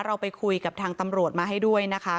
เราไปคุยกับทางตำรวจมาให้ด้วยนะคะ